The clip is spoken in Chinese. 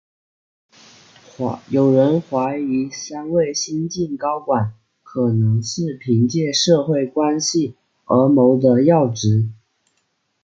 有人怀疑三位新晋高管可能是凭借社会关系而谋得要职。